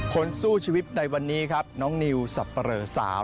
คนสู้ชีวิตในวันนี้ครับน้องนิวสับปะเหลอสาว